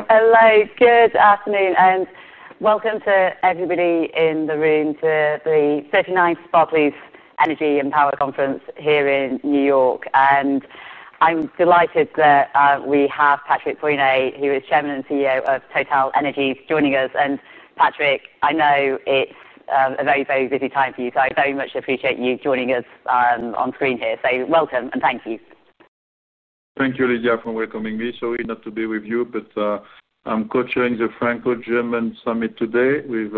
... Hello, good afternoon, and welcome to everybody in the room to the thirty-ninth Barclays Energy and Power Conference here in New York. And I'm delighted that we have Patrick Pouyanné, who is chairman and CEO of TotalEnergies, joining us. And Patrick, I know it's a very, very busy time for you, so I very much appreciate you joining us on screen here. So welcome, and thank you. Thank you, Lydia, for welcoming me. Sorry not to be with you, but, I'm co-chairing the Franco-German Summit today with,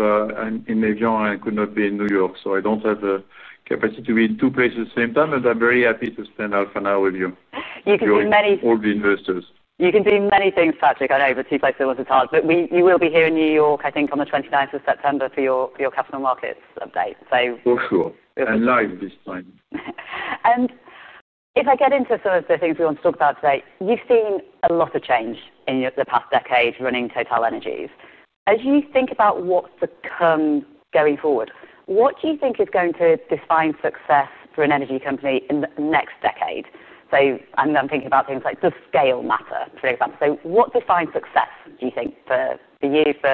in Evian. I could not be in New York, so I don't have the capacity to be in two places at the same time, and I'm very happy to spend half an hour with you- You can do many- you and all the investors. You can do many things, Patrick. I know, but two places is hard. But you will be here in New York, I think, on the twenty-ninth of September for your, for your capital markets update, so- For sure, and live this time. If I get into some of the things we want to talk about today, you've seen a lot of change in the past decade running TotalEnergies. As you think about what's to come going forward, what do you think is going to define success for an energy company in the next decade? I'm thinking about things like, does scale matter, for example. What defines success, do you think, for you, for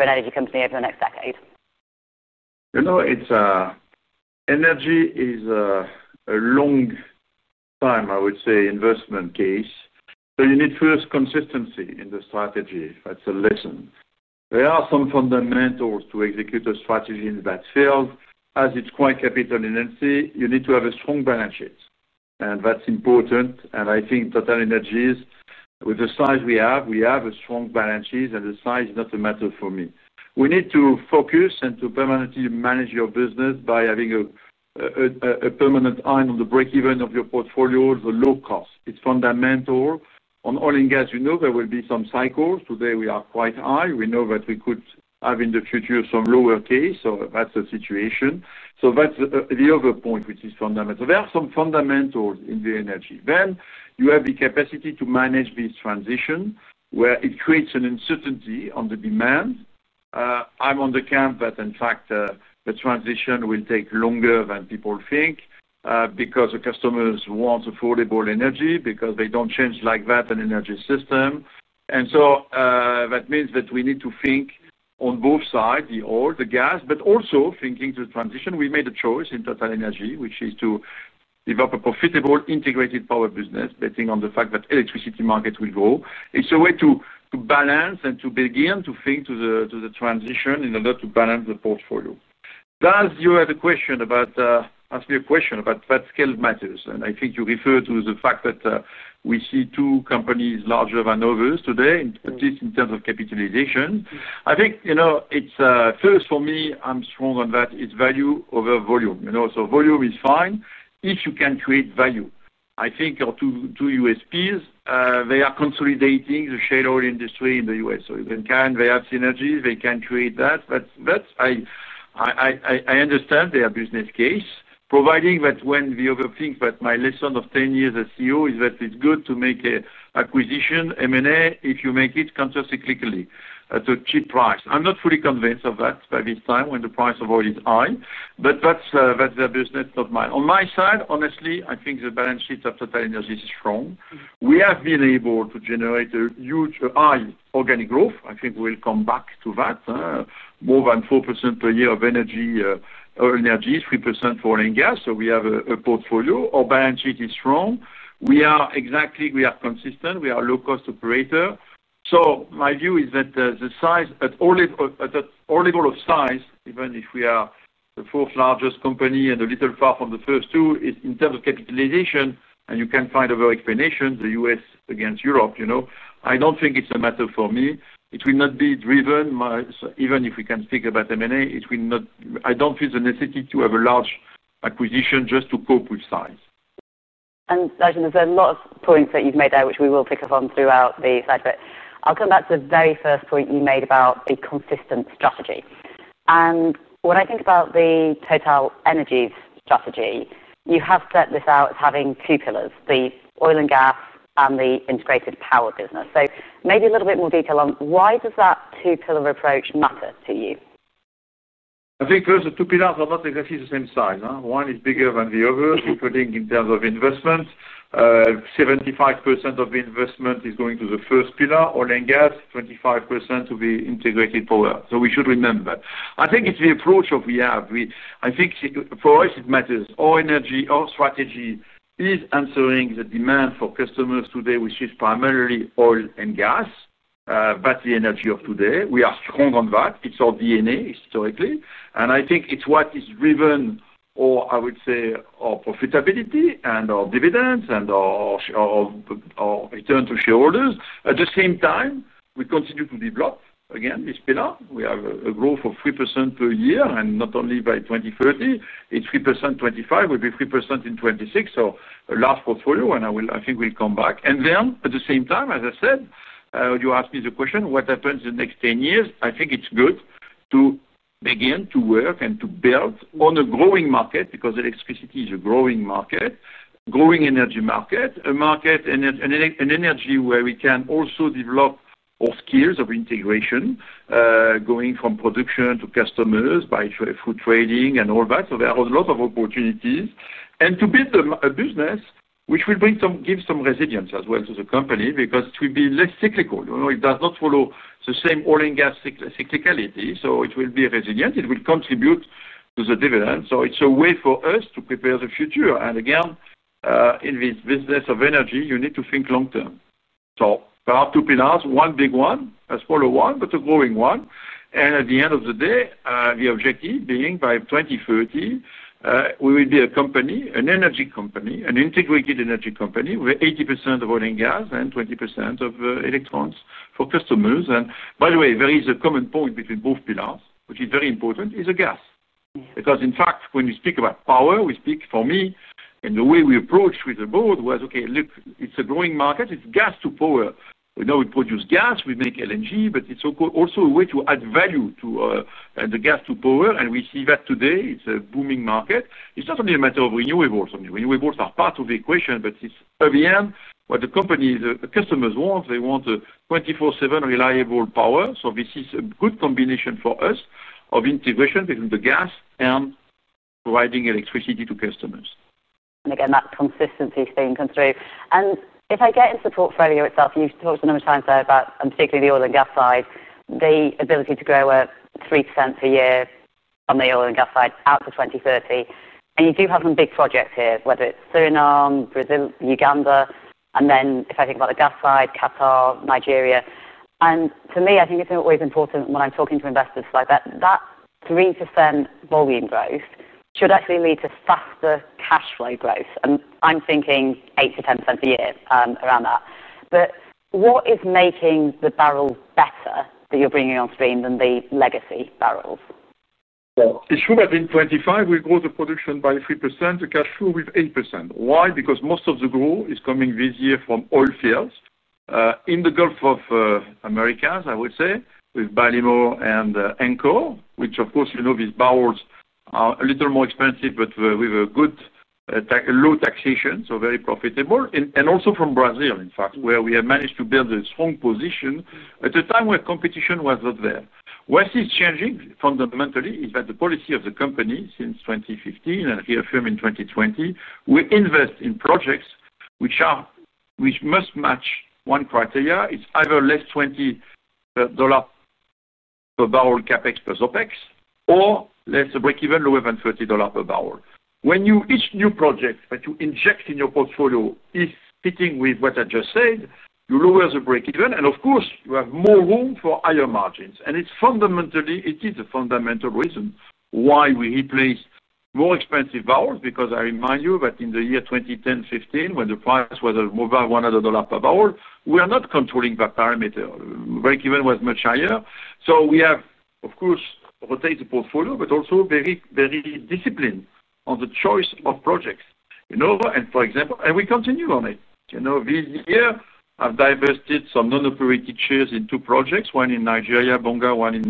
an energy company over the next decade? You know, it's energy is a long time, I would say, investment case, so you need first consistency in the strategy. That's a lesson. There are some fundamentals to execute a strategy in that field. As it's quite capital intensive, you need to have a strong balance sheet, and that's important, and I think TotalEnergies, with the size we have, we have a strong balance sheet, and the size is not a matter for me. We need to focus and to permanently manage your business by having a permanent eye on the break-even of your portfolio, the low cost. It's fundamental. On oil and gas, we know there will be some cycles. Today we are quite high. We know that we could have in the future some lower prices, so that's the situation, so that's the other point, which is fundamental. There are some fundamentals in the energy. Then, you have the capacity to manage this transition, where it creates an uncertainty on the demand. I'm in the camp that, in fact, the transition will take longer than people think, because the customers want affordable energy, because they don't change like that an energy system. And so, that means that we need to think on both sides, the oil, the gas, but also thinking to transition. We made a choice in TotalEnergies, which is to develop a profitable, integrated power business, betting on the fact that electricity markets will grow. It's a way to balance and to begin to think to the transition in order to balance the portfolio. Thus, you had a question about. asked me a question about if scale matters, and I think you referred to the fact that we see two companies larger than others today, at least in terms of capitalization. I think, you know, it's first for me, I'm strong on that, it's value over volume. You know, so volume is fine if you can create value. I think our two peers, they are consolidating the shale industry in the U.S., so they can, they have synergies, they can create that. But that's, I understand their business case, provided that, the other thing, that my lesson of ten years as CEO is that it's good to make an acquisition, M&A, if you make it countercyclically, at a cheap price. I'm not fully convinced of that by this time, when the price of oil is high, but that's, that's their business, not mine. On my side, honestly, I think the balance sheet of TotalEnergies is strong. We have been able to generate a huge, high organic growth. I think we'll come back to that, more than 4% per year of energy, oil energy, 3% for oil and gas, so we have a portfolio. Our balance sheet is strong. We are exactly, we are consistent, we are a low-cost operator. My view is that the size, at all levels of size, even if we are the fourth largest company and a little far from the first two, in terms of capitalization, and you can find other explanations, the U.S. against Europe, you know. I don't think it's a matter for me. It will not be driven my... Even if we can think about M&A, it will not. I don't feel the necessity to have a large acquisition just to cope with size. There's a lot of points that you've made there, which we will pick up on throughout the segment. I'll come back to the very first point you made about a consistent strategy. When I think about the TotalEnergies strategy, you have set this out as having two pillars, the oil and gas and the integrated power business. Maybe a little bit more detail on why does that two-pillar approach matter to you? I think first, the two pillars are not exactly the same size, huh? One is bigger than the other, including in terms of investment. Seventy-five percent of the investment is going to the first pillar, oil and gas, 25% to the integrated power. So we should remember. I think it's the approach that we have. I think for us it matters. Our energy, our strategy is answering the demand for customers today, which is primarily oil and gas, that's the energy of today. We are strong on that. It's our DNA, historically, and I think it's what is driven, or I would say, our profitability and our dividends and our return to shareholders. At the same time, we continue to develop, again, this pillar. We have a growth of 3% per year, and not only by 2030. It's 3% in 2025, will be 3% in 2026. So a large portfolio, and I will- I think we'll come back. And then, at the same time, as I said, you asked me the question, what happens in the next ten years? I think it's good to begin to work and to build on a growing market, because electricity is a growing market, growing energy market, a market, an energy where we can also develop our skills of integration, going from production to customers, by through trading and all that. So there are a lot of opportunities.... and to build a business which will bring some- give some resilience as well to the company, because to be less cyclical, you know, it does not follow the same oil and gas cyclicality, so it will be resilient, it will contribute to the dividend. So it's a way for us to prepare the future. And again, in this business of energy, you need to think long term. So there are two pillars, one big one, a smaller one, but a growing one, and at the end of the day, the objective being by 2030, we will be a company, an energy company, an integrated energy company, with 80% of oil and gas and 20% of electrons for customers. And by the way, there is a common point between both pillars, which is very important, is gas. Because in fact, when we speak about power, we speak, for me, and the way we approach with the board was, okay, look, it's a growing market, it's gas to power. We know we produce gas, we make LNG, but it's also a way to add value to the gas to power, and we see that today, it's a booming market. It's not only a matter of renewables. I mean, renewables are part of the equation, but it's at the end, what the company, the customers want, they want a 24/7 reliable power. So this is a good combination for us of integration between the gas and providing electricity to customers. Again, that consistency theme comes through. If I get into the portfolio itself, you've talked a number of times about, and particularly the oil and gas side, the ability to grow at 3% per year on the oil and gas side out to 2030. You do have some big projects here, whether it's Suriname, Brazil, Uganda, and then if I think about the gas side, Qatar, Nigeria. To me, I think it's always important when I'm talking to investors like that, that 3% volume growth should actually lead to faster cash flow growth, and I'm thinking 8%-10% a year, around that. What is making the barrels better that you're bringing on stream than the legacy barrels? It should have been 25. We grow the production by 3%, the cash flow with 8%. Why? Because most of the growth is coming this year from oil fields in the Gulf of Mexico, I would say, with Ballymore and Anchor, which of course, you know, these barrels are a little more expensive, but with a good, low taxation, so very profitable. And also from Brazil, in fact, where we have managed to build a strong position at a time where competition was not there. What is changing fundamentally is that the policy of the company since 2015 and reaffirmed in 2020, we invest in projects which must match one criteria. It's either less than $20 per barrel, CapEx plus OpEx, or less than a breakeven lower than $30 per barrel. When you... Each new project that you inject in your portfolio is fitting with what I just said. You lower the break-even, and of course, you have more room for higher margins. And it's fundamentally, it is a fundamental reason why we place more expensive barrels, because I remind you that in the year twenty ten, fifteen, when the price was over $100 per barrel, we are not controlling that parameter. Break-even was much higher. So we have, of course, rotate the portfolio, but also very, very disciplined on the choice of projects. You know, and for example, and we continue on it. You know, this year, I've divested some non-operated shares in two projects, one in Nigeria, Bonga, one in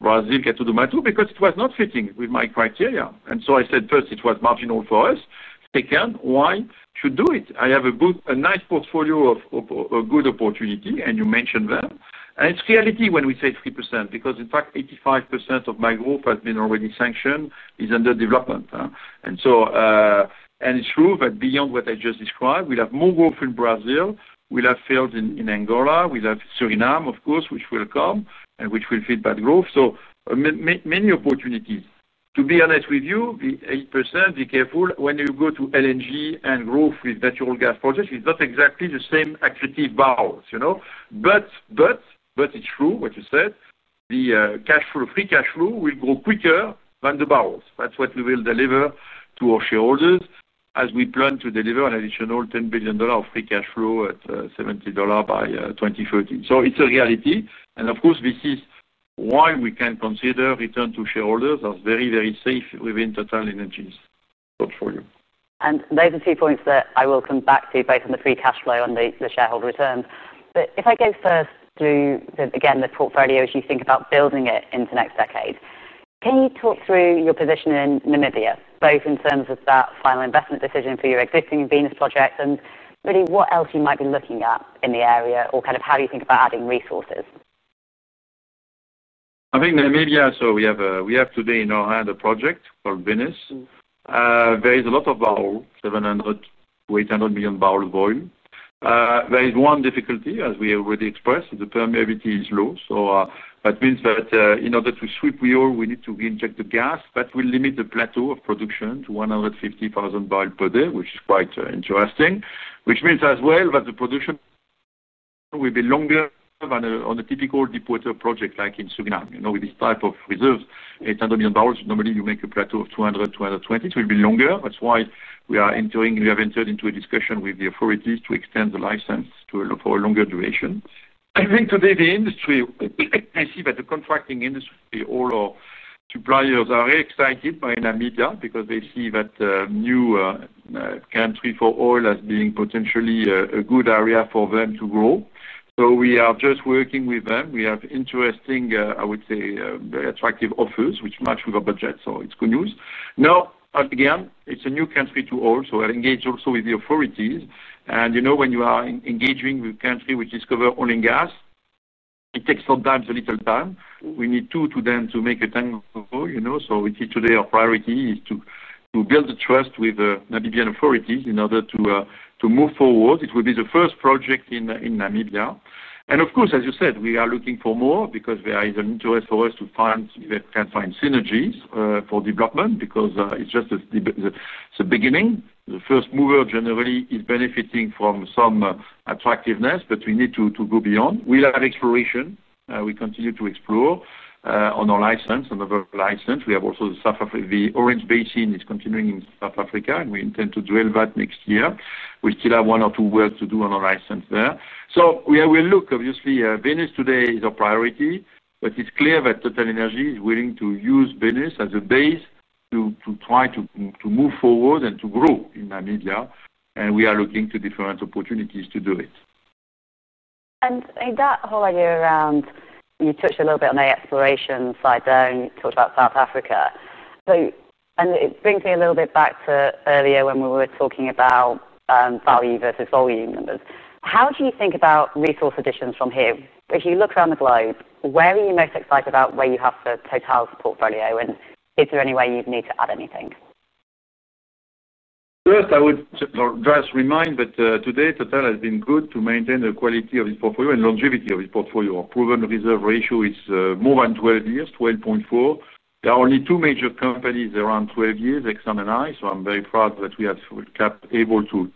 Brazil, Lapa, because it was not fitting with my criteria. And so I said, first, it was marginal for us. Second, why to do it? I have a nice portfolio of a good opportunity, and you mentioned them. It's a reality when we say 3%, because in fact, 85% of my growth has been already sanctioned, is under development. And so, it's true that beyond what I just described, we have more growth in Brazil, we have fields in Angola, we have Suriname, of course, which will come and which will feed that growth. So many opportunities. To be honest with you, the 8%, be careful when you go to LNG and growth with natural gas projects, it's not exactly the same activity barrels, you know? But it's true what you said, the cash flow, free cash flow will grow quicker than the barrels. That's what we will deliver to our shareholders as we plan to deliver an additional $10 billion of free cash flow at $70 by 2030. So it's a reality, and of course, this is why we can consider return to shareholders as very, very safe within TotalEnergies portfolio. And those are two points that I will come back to, both on the free cash flow and the shareholder returns. But if I go first to, again, the portfolio as you think about building it into next decade, can you talk through your position in Namibia, both in terms of that final investment decision for your existing Venus project and really what else you might be looking at in the area, or kind of how you think about adding resources? I think Namibia, so we have today in our hand a project called Venus. There is a lot of barrel, 700-800 million barrel volume. There is one difficulty, as we have already expressed, the permeability is low. So, that means that, in order to sweep oil, we need to re-inject the gas, but we limit the plateau of production to 150,000 barrels per day, which is quite interesting. Which means as well, that the production will be longer than on a typical deepwater project like in Suriname. You know, with this type of reserves, 800 million barrels, normally you make a plateau of 200-220, it will be longer. That's why we are entering- we have entered into a discussion with the authorities to extend the license to, for a longer duration. I think today, the industry, I see that the contracting industry or suppliers are very excited by Namibia because they see that, new, country for oil as being potentially a good area for them to grow. So we are just working with them. We have interesting, I would say, very attractive offers which match with our budget, so it's good news. Now, again, it's a new country to all, so I engage also with the authorities, and you know when you are engaging with country which discover oil and gas. It takes sometimes a little time. We need two to then to make a tango, you know? We see today our priority is to build the trust with the Namibian authorities in order to move forward. It will be the first project in Namibia. And of course, as you said, we are looking for more because there is an interest for us to find, if we can find synergies for development because it's just the beginning. The first mover generally is benefiting from some attractiveness, but we need to go beyond. We have exploration. We continue to explore on our license, on the work license. We have also the Orange Basin continuing in South Africa, and we intend to drill that next year. We still have one or two wells to do on our license there. We look, obviously, Venus today is a priority, but it's clear that TotalEnergies is willing to use Venus as a base to try to move forward and to grow in Namibia, and we are looking to different opportunities to do it. And that whole idea around, you touched a little bit on the exploration side there, and you talked about South Africa. And it brings me a little bit back to earlier when we were talking about value versus volume numbers. How do you think about resource additions from here? If you look around the globe, where are you most excited about where you have the TotalEnergies portfolio, and is there any way you'd need to add anything? First, I would just remind that today Total has been good to maintain the quality of its portfolio and longevity of its portfolio. Our proven reserve ratio is more than 12 years, 12.4. There are only two major companies around 12 years, Exxon and I, so I'm very proud that we have kept able to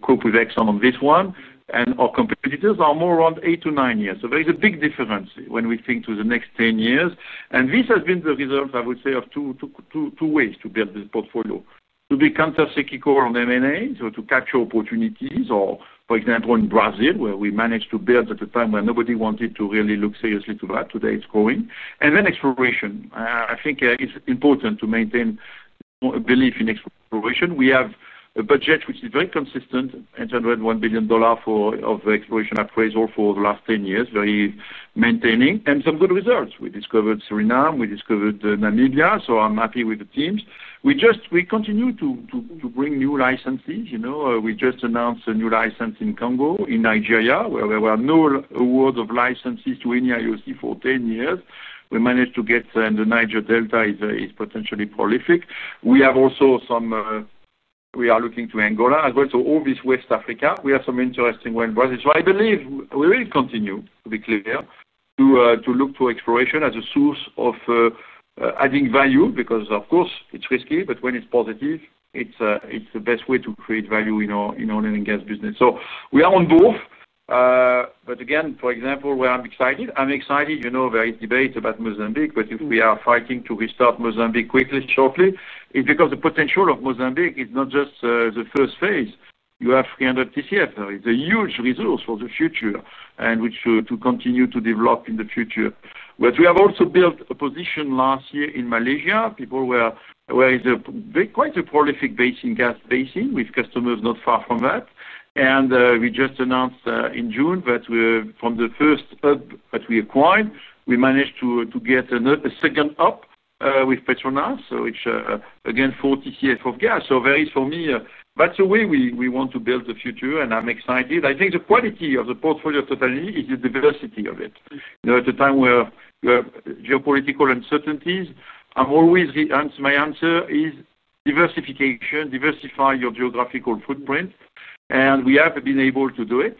cope with Exxon on this one, and our competitors are more around 8-9 years. So there is a big difference when we think to the next 10 years, and this has been the result, I would say, of two ways to build this portfolio. To be countercyclical on M&A, so to capture opportunities or, for example, in Brazil, where we managed to build at a time when nobody wanted to really look seriously to that, today it's growing, and then exploration. I think it's important to maintain belief in exploration. We have a budget which is very consistent, $1 billion for exploration appraisal for the last 10 years, very maintaining and some good results. We discovered Suriname, we discovered Namibia, so I'm happy with the teams. We just we continue to bring new licenses. You know, we just announced a new license in Congo, in Nigeria, where there were no awards of licenses to any IOC for 10 years. We managed to get, and the Niger Delta is potentially prolific. We have also some. We are looking to Angola, as well, so all this West Africa, we have some interesting ones. But so I believe we will continue, to be clear, to look to exploration as a source of adding value, because of course, it's risky, but when it's positive, it's the best way to create value in our oil and gas business. So we are on both. But again, for example, where I'm excited, I'm excited, you know, there is debate about Mozambique, but if we are fighting to restart Mozambique quickly, shortly, it's because the potential of Mozambique is not just the first phase. You have 300 TCF. There is a huge resource for the future and which to continue to develop in the future. But we have also built a position last year in Malaysia. People were, where is a big, quite a prolific basin, gas basin, with customers not far from that. And we just announced in June that we, from the first hub that we acquired, we managed to get another, a second hub with Petronas, so which again four TCF of gas. So very for me, that's the way we want to build the future, and I'm excited. I think the quality of the portfolio of TotalEnergies is the diversity of it. You know, at the time where we have geopolitical uncertainties, I'm always, my answer is diversification, diversify your geographical footprint, and we have been able to do it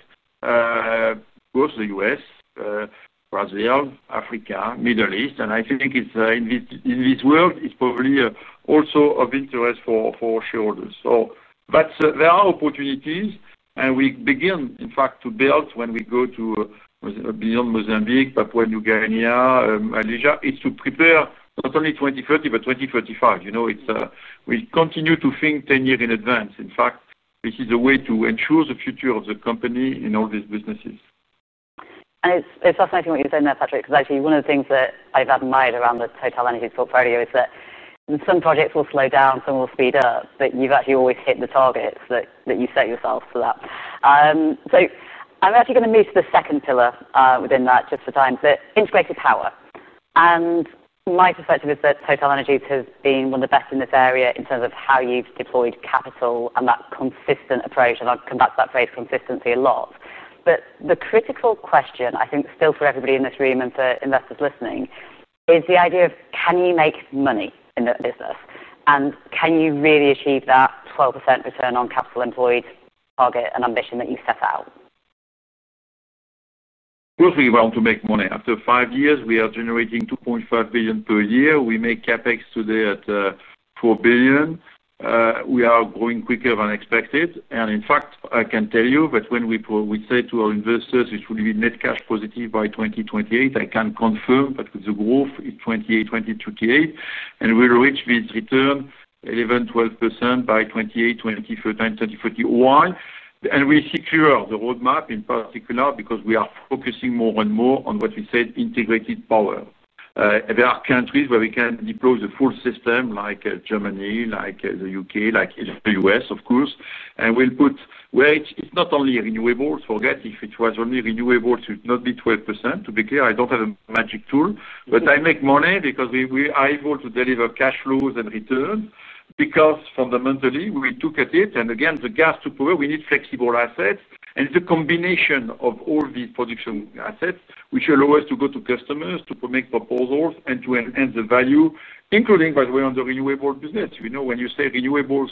both the U.S., Brazil, Africa, Middle East, and I think it's in this world, it's probably also of interest for shareholders. So, but there are opportunities, and we begin, in fact, to build when we go to Mozambique, beyond Mozambique, Papua New Guinea, Malaysia, is to prepare not only 2030 but 2045. You know, it's we continue to think 10 years in advance. In fact, this is a way to ensure the future of the company in all these businesses. And it's, it's fascinating what you're saying there, Patrick, because actually one of the things that I've admired around the TotalEnergies portfolio is that some projects will slow down, some will speed up, but you've actually always hit the targets that you set yourselves for that. So I'm actually going to move to the second pillar, within that, just for time, the integrated power. And my perspective is that TotalEnergies has been one of the best in this area in terms of how you've deployed capital and that consistent approach, and I've come back to that phrase consistency a lot. But the critical question, I think, still for everybody in this room and for investors listening, is the idea of can you make money in the business? And can you really achieve that 12% return on capital employed, target and ambition that you set out? Of course, we want to make money. After five years, we are generating $2.5 billion per year. We make CapEx today at $4 billion. We are growing quicker than expected. And in fact, I can tell you that when we say to our investors, which will be net cash positive by 2028, I can confirm that the growth is 2028, and we will reach this return 11%-12% by 2028, 2030, 2041. And we see clear the roadmap in particular, because we are focusing more and more on what we said, integrated power. There are countries where we can deploy the full system, like Germany, like the UK, like the U.S., of course. And we'll put where it's, it's not only renewables. Forget, if it was only renewables, it would not be 12%. To be clear, I don't have a magic tool, but I make money because we are able to deliver cash flows and returns, because fundamentally, we look at it, and again, the gas supplier, we need flexible assets. And it's a combination of all these production assets which allow us to go to customers to make proposals and to enhance the value, including, by the way, on the renewable business. You know, when you say renewables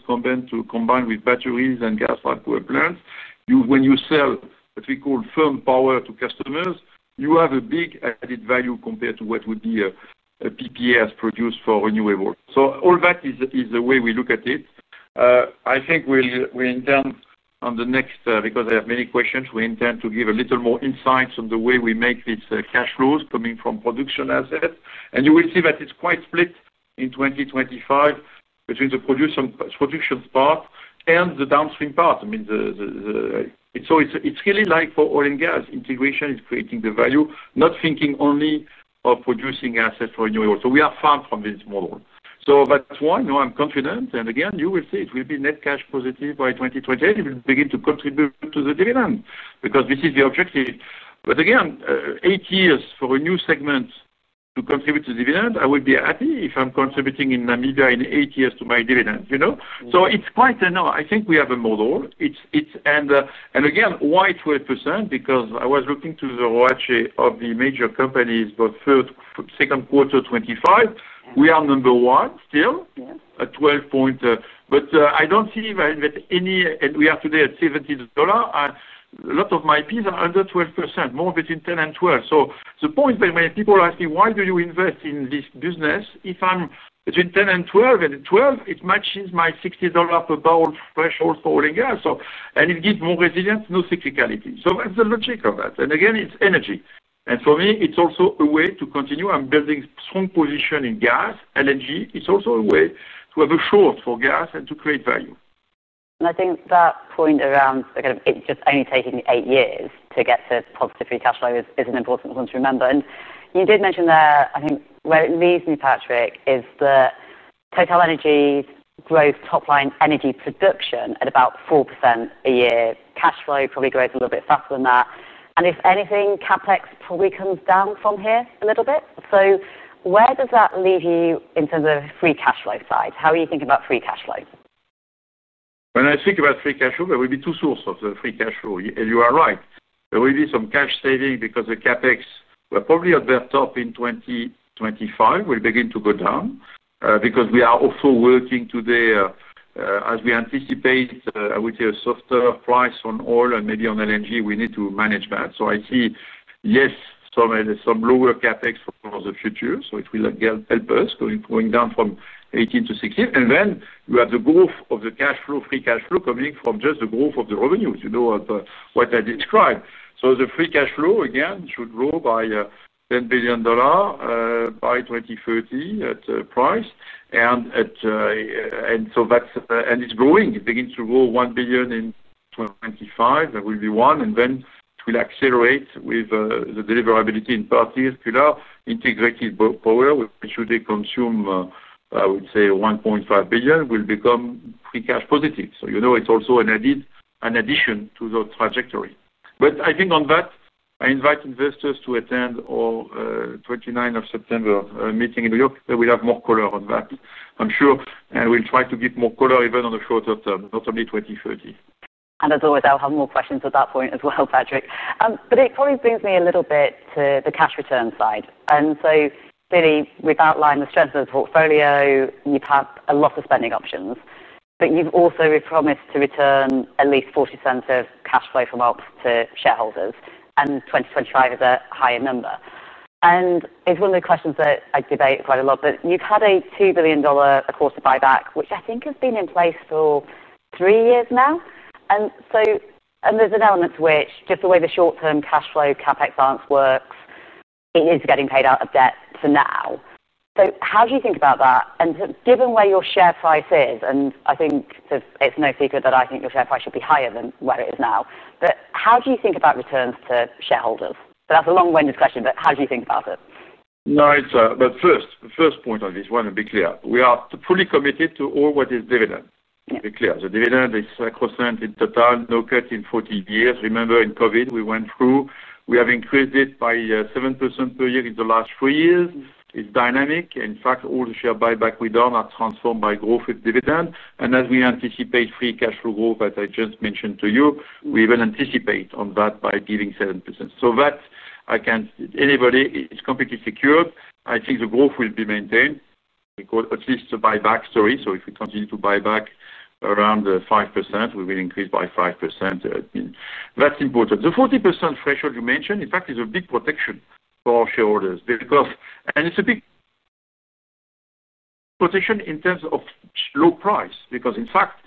combined with batteries and gas power plants, you, when you sell what we call firm power to customers, you have a big added value compared to what would be a PPA as produced for renewable. So all that is the way we look at it. I think we'll, we intend on the next, because I have many questions, we intend to give a little more insights on the way we make these cash flows coming from production assets. And you will see that it's quite split in 2025 between the production part and the downstream part. I mean, so it's really like for oil and gas, integration is creating the value, not thinking only of producing assets for renewable. So we are far from this model. So that's why now I'm confident, and again, you will see it will be net cash positive by 2028. It will begin to contribute to the dividend, because this is the objective. But again, eight years for a new segment to contribute to the dividend, I will be happy if I'm contributing in eight years to my dividend, you know? So it's quite normal. I think we have a model, and again, why 12%? Because I was looking at the WACC of the major companies, both third and second quarter 2025. We are number one still- Yeah. At 12%. But I don't see that any, and we are today at $70, and a lot of my peers are under 12%, more between 10% and 12%. The point being, when people ask me, "Why do you invest in this business if I'm between 10% and 12%?" At 12%, it matches my $60 per barrel threshold for oil and gas, so, and it gives more resilience, no cyclicality. That's the logic of that. Again, it's energy. For me, it's also a way to continue on building strong position in gas. LNG, it's also a way to have a share for gas and to create value. I think that point around, again, it's just only taking eight years to get to positive free cash flow is an important one to remember. You did mention there, I think where it leaves me, Patrick, is that TotalEnergies grows top line energy production at about 4% a year. Cash flow probably grows a little bit faster than that, and if anything, CapEx probably comes down from here a little bit. So where does that leave you in terms of free cash flow side? How are you thinking about free cash flow? When I think about free cash flow, there will be two sources of free cash flow. And you are right, there will be some cost saving because the CapEx were probably at their top in 2025, will begin to go down, because we are also working today, as we anticipate, I would say, a softer price on oil and maybe on LNG, we need to manage that. So I see, yes, some lower CapEx for the future, so it will help us going down from 18-16. And then you have the growth of the cash flow, free cash flow coming from just the growth of the revenues, you know, of what I described. So the free cash flow, again, should grow by $10 billion by 2030 at price, and so that's and it's growing. It begins to grow $1 billion in 2025, that will be 1, and then it will accelerate with the deliverability in particular, integrated power, which should consume I would say $1.5 billion, will become free cash positive. So you know, it's also an added, an addition to the trajectory. But I think on that, I invite investors to attend our twenty-ninth of September meeting in New York, that we have more color on that. I'm sure, and we'll try to give more color even on the shorter term, not only 2030. And as always, I'll have more questions at that point as well, Patrick. But it probably brings me a little bit to the cash return side. And so really, we've outlined the strength of the portfolio. You've had a lot of spending options, but you've also promised to return at least 40% of cash flow from ops to shareholders, and 2025 is a higher number. And it's one of the questions that I debate quite a lot, but you've had a $2 billion a quarter buyback, which I think has been in place for three years now. And so there's an element which, just the way the short-term cash flow CapEx balance works, it is getting paid out of debt for now. So how do you think about that? And given where your share price is, and I think it's, it's no secret that I think your share price should be higher than where it is now. But how do you think about returns to shareholders? So that's a long-winded discussion, but how do you think about it? No, it's, but first, first point on this, I want to be clear. We are fully committed to all what is dividend. Yeah. To be clear, the dividend is 7% in total, no cut in fourteen years. Remember, in COVID, we went through. We have increased it by 7% per year in the last three years. It's dynamic. In fact, all the share buyback we done are transformed by growth with dividend. And as we anticipate free cash flow growth, as I just mentioned to you, we will anticipate on that by giving 7%. So that I can anybody, it's completely secured. I think the growth will be maintained, because at least the buyback story. So if we continue to buy back around 5%, we will increase by 5%. That's important. The 40% threshold you mentioned, in fact, is a big protection for shareholders, because and it's a big protection in terms of low price. Because, in fact,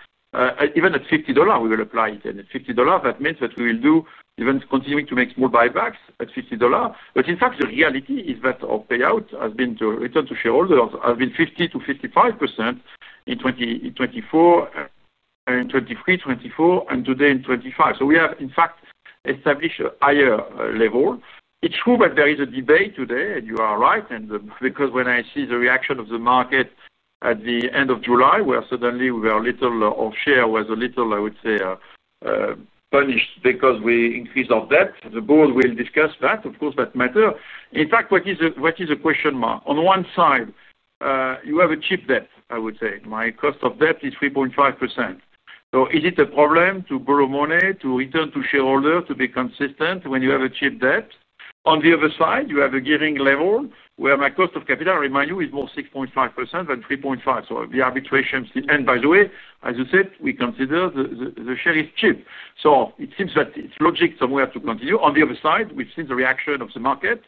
even at $50, we will apply it. And at $50, that means that we will do, even continuing to make small buybacks at $50. But in fact, the reality is that our payout has been to return to shareholders, has been 50%-55% in 2023, 2024, and today in 2025. So we have, in fact, established a higher level. It's true that there is a debate today, and you are right, and because when I see the reaction of the market at the end of July, where suddenly our share was a little, I would say, punished because we increase our debt. The board will discuss that, of course, that matter. In fact, what is a question mark? On one side, you have a cheap debt, I would say. My cost of debt is 3.5%. So is it a problem to borrow money, to return to shareholder, to be consistent when you have a cheap debt? On the other side, you have a gearing level where my cost of capital, I remind you, is more 6.5% than 3.5%, so the arbitration- and by the way, as you said, we consider the share is cheap. So it seems that it's logic somewhere to continue. On the other side, we've seen the reaction of the market,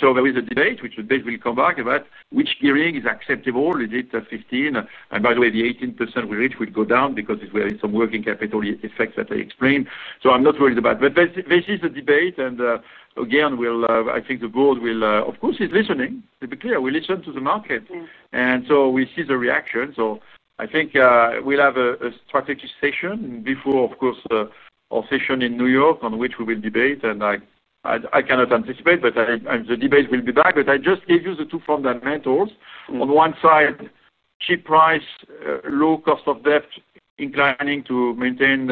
so there is a debate, which debate will come back about which gearing is acceptable. Is it fifteen? And by the way, the 18% we reach will go down because there is some working capital effects that I explained. So I'm not worried about, but this, this is a debate, and, again, we'll, I think the board will, of course, is listening. To be clear, we listen to the market. Yes. We see the reaction. I think we'll have a strategic session before, of course, our session in New York, on which we will debate, and I cannot anticipate, but I and the debate will be back. I just gave you the two fundamentals. Mm-hmm. On one side, cheap price, low cost of debt, inclining to maintain,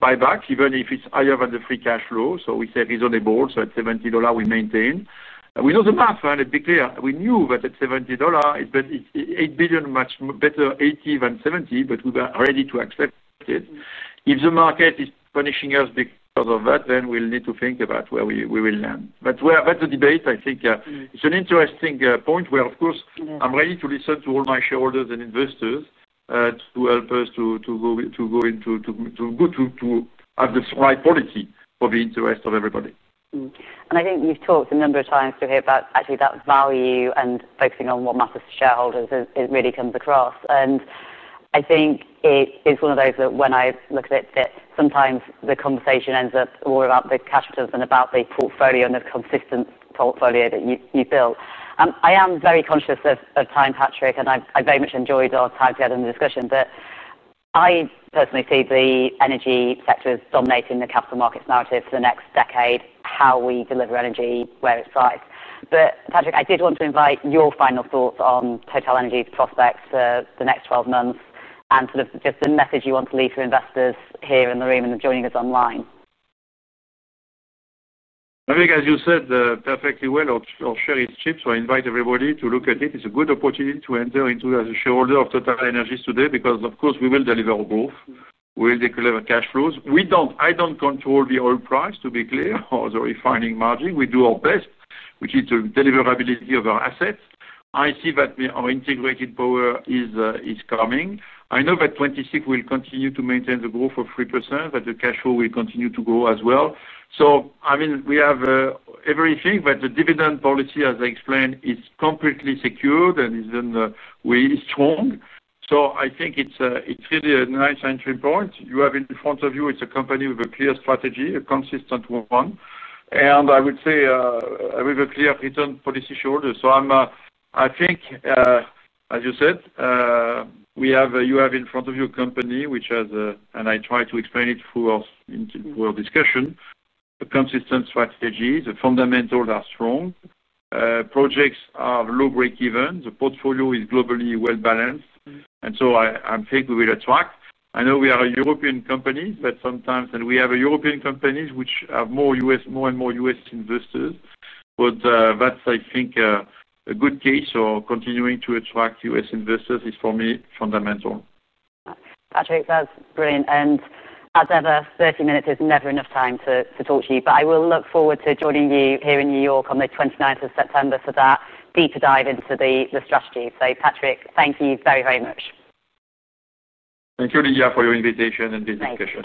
buyback, even if it's higher than the free cash flow. So we said it's on the board, so at $70, we maintain. We know the math, and to be clear, we knew that at $70, it, but it's $8 billion, much better $80 than $70, but we are ready to accept it. Mm-hmm. If the market is punishing us because of that, then we'll need to think about where we will land. But the debate, I think. Mm-hmm. It's an interesting point, where, of course- Mm-hmm... I'm ready to listen to all my shareholders and investors, to help us to go into, to have the right policy for the interest of everybody. Mm-hmm. And I think you've talked a number of times today about actually that value and focusing on what matters to shareholders. It, it really comes across, and I think it is one of those that when I look at it, that sometimes the conversation ends up more about the cash flows than about the portfolio and the consistent portfolio that you, you built. I am very conscious of time, Patrick, and I very much enjoyed our time together and the discussion, but I personally see the energy sector as dominating the capital markets narrative for the next decade, how we deliver energy, where it thrives. But Patrick, I did want to invite your final thoughts on TotalEnergies prospects for the next twelve months, and sort of just the message you want to leave to investors here in the room and joining us online. I think, as you said, perfectly well, our share is cheap, so I invite everybody to look at it. It's a good opportunity to enter into as a shareholder of TotalEnergies today because, of course, we will deliver growth. We'll deliver cash flows. We don't. I don't control the oil price, to be clear, or the refining margin. We do our best, which is to deliverability of our assets. I see that our integrated power is coming. I know that 2026 will continue to maintain the growth of 3%, that the cash flow will continue to grow as well. I mean, we have everything, but the dividend policy, as I explained, is completely secured and is really strong. I think it's really a nice entry point. You have in front of you, it's a company with a clear strategy, a consistent one, and I would say, with a clear return for this year's shareholders. So I'm, I think, as you said, we have a—you have in front of you a company which has a, and I try to explain it through our discussion, a consistent strategy. The fundamentals are strong. Projects are low break even. The portfolio is globally well-balanced. Mm-hmm. And so I think we will attract. I know we are a European company, but sometimes... And we have European companies which have more U.S., more and more U.S. investors, but that's, I think, a good case. So continuing to attract U.S. investors is, for me, fundamental. Patrick, that's brilliant, and as ever, thirty minutes is never enough time to talk to you. But I will look forward to joining you here in New York on the twenty-ninth of September for that deeper dive into the strategy. So Patrick, thank you very, very much. Thank you, Lydia, for your invitation and this discussion.